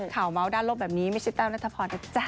เมาส์ด้านลบแบบนี้ไม่ใช่แต้วนัทพรนะจ๊ะ